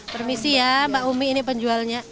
permisi ya mbak umi ini penjualnya